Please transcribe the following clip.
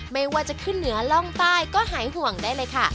ไม่ว่าจะขึ้นเหนือล่องใต้ก็หายห่วงได้เลยค่ะ